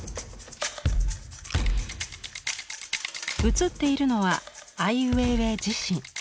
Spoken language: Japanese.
写っているのはアイ・ウェイウェイ自身。